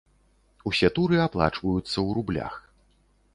Усе туры аплачваюцца ў рублях.